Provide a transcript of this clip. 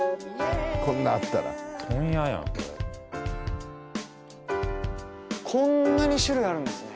こんなあったら問屋やんこれこんなに種類あるんですね